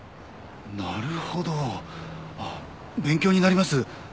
なるほどああ勉強になります。